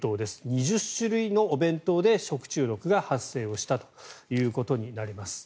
２０種類のお弁当で食中毒が発生したということになります。